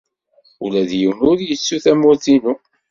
Ula d yiwen ur yettu tamurt-inu.